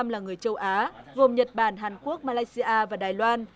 năm mươi tám là người châu á gồm nhật bản hàn quốc malaysia và đài loan